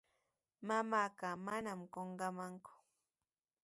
Mamaaqa manami qunqamanku.